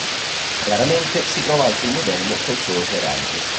Raramente si trova anche il modello con solo sei raggi.